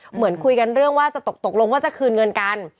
เหมือนคุยกันเรื่องว่าจะตกลงว่าจะคืนเงินกัน